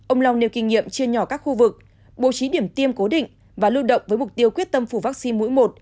ông long nêu kinh nghiệm chia nhỏ các khu vực bố trí điểm tiêm cố định và lưu động với mục tiêu quyết tâm phủ vaccine mũi một